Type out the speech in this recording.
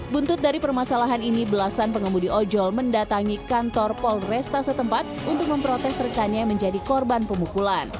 buntut dari permasalahan ini belasan pengemudi ojol mendatangi kantor polresta setempat untuk memprotes rekannya menjadi korban pemukulan